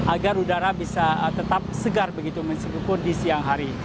agar udara bisa tetap segar begitu mensyukur di siang hari